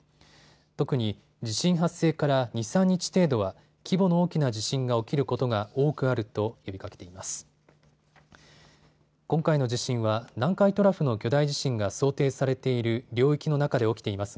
特に地震発生から２、３日程度は規模の大きな地震が起きることが多くあると呼びかけています。